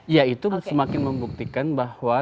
ya itu semakin membuktikan bahwa